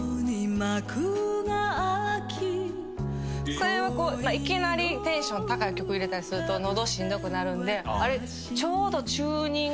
それはこういきなりテンション高い曲入れたりすると喉しんどくなるんであれちょうど。